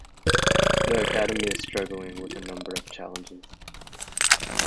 The academy is struggling with a number of challenges.